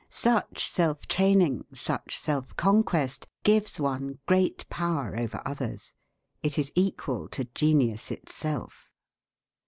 Such self training, such self conquest, gives one great power over others. It is equal to genius itself.